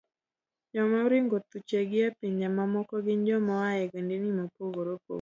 Joma oringo thuchegi a e pinje mamoko gin joma oa e ogendni mopogore opogore.